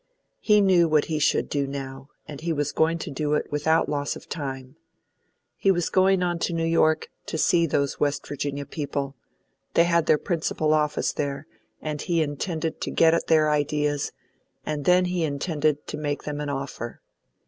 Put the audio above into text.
He knew what he should do now, and he was going to do it without loss of time. He was going on to New York to see those West Virginia people; they had their principal office there, and he intended to get at their ideas, and then he intended to make them an offer.